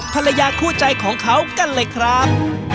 ภรรยาคู่ใจของเขากันเลยครับ